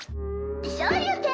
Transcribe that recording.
昇龍拳